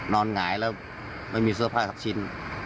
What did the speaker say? หงายแล้วไม่มีเสื้อผ้าสักชิ้น